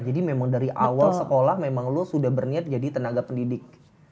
jadi memang dari awal sekolah memang lo sudah berniat jadi tenaga pendidik